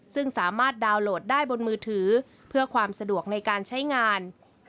ซึ่งสามารถดาวน์โหลดได้บนมือถือเพื่อความสะดวกในการใช้งาน